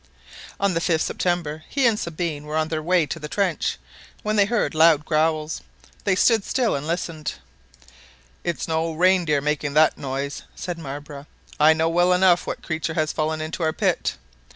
On the 5th September, he and Sabine were on their way to the trench, when they heard loud growls. They stood still and listened. "It's no reindeer making that noise, "said Marbre, "I know well enough what creature has fallen into our pit."